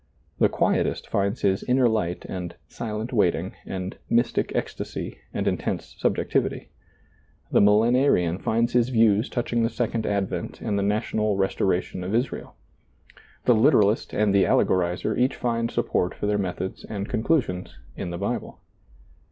The Quietist finds his inner light and " silent waiting " and " mystic ec stasy " and intense subjectivity. The Millenarian finds his views touching the Second Advent and ^lailizccbvGoOgle 86 SEEING DARKLY the national restoration of Israel. The literalist and the allegorizer each find support for their methods and conclusions in the Bible.